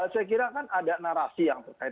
saya kira kan ada narasi yang terkait